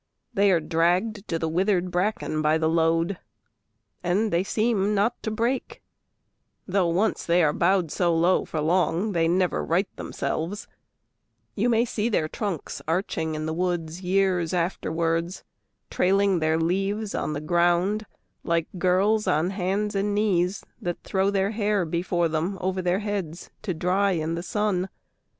They are dragged to the withered bracken by the load, And they seem not to break; though once they are bowed So low for long, they never right themselves: You may see their trunks arching in the woods Years afterwards, trailing their leaves on the ground Like girls on hands and knees that throw their hair Before them over their heads to dry in the sun.